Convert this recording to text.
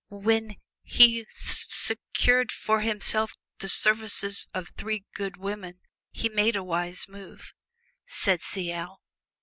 "Wh wh when he secured for himself the services of three good women he made a wise move," said C.L.